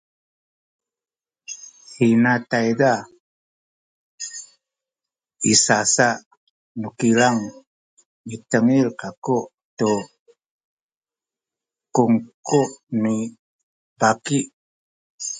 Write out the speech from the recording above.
hina tayza i sasa nu kilang mitengil kaku tu kungku ni baki